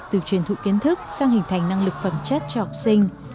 từ truyền thụ kiến thức sang hình thành năng lực phẩm chất cho học sinh